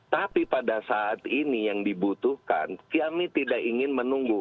tapi pada saat ini yang dibutuhkan kami tidak ingin menunggu